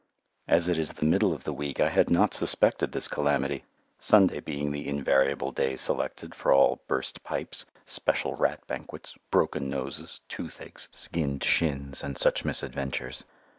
As it is the middle of the week I had not suspected this calamity, Sunday being the invariable day selected for all burst pipes, special rat banquets, broken noses, toothaches, skinned shins, and such misadventures.